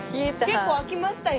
結構空きましたよ。